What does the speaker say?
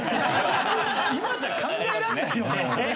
今じゃ考えられないような。